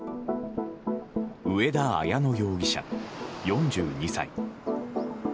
上田綾乃容疑者、４２歳。